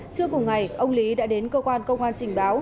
trưa cùng ngày ông lý đã đến cơ quan công an trình báo